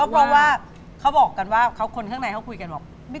เพราะว่าเขาบอกกันว่าคนข้างในเขาคุยกันบอก